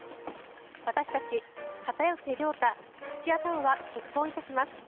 私たち、片寄涼太、土屋太鳳は結婚いたします。